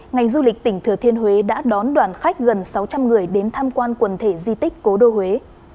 ngành du lịch tỉnh thừa thiên huế đã đón đoàn khách gần sáu trăm linh người đến tham quan quần thể di tích cố đô huế